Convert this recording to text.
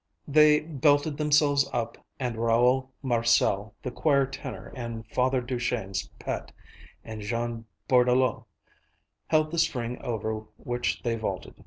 They belted themselves up, and Raoul Marcel, the choir tenor and Father Duchesne's pet, and Jean Bordelau, held the string over which they vaulted.